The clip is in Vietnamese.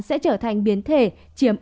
sẽ trở thành biến thể chiếm